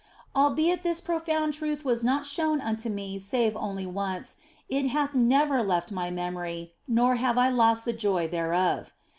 Albeit this profound truth was not shown unto me save once only, it hath never left my memory, nor have I lost the joy thereof.